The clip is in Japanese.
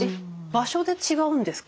場所で違うんですか。